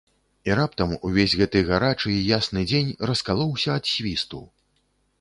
І раптам увесь гэты гарачы і ясны дзень раскалоўся ад свісту.